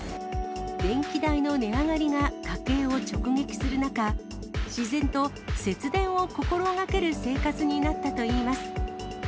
電気代の値上がりが家計を直撃する中、自然と節電を心がける生活になったといいます。